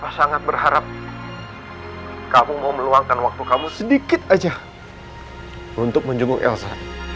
aku sangat berharap kamu mau meluangkan waktu kamu sedikit aja untuk menjenguk elsa